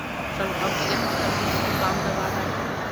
شلغم په یخ موسم کې د زکام دوا ده.